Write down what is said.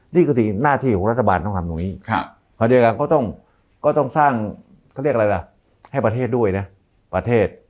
นี่คือสิ่งหน้าที่ของรัฐบาลต้องทำตรงนี้ขณะเดียวกันก็ต้องสร้างเขาเรียกอะไรล่ะให้ประเทศด้วยนะประเทศ